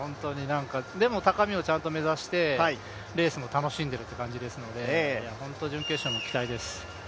でも高みをちゃんと目指して、レースも楽しんでいるっていう感じですので、本当、準決勝に期待です。